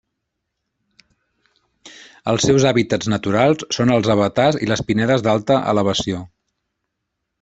Els seus hàbitats naturals són els avetars i les pinedes d'alta elevació.